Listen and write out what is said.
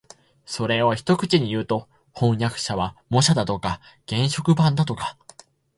それを一口にいうと、飜訳者は模写だとか原色版だとか